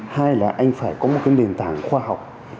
hai là anh phải có một cái nền tảng khoa học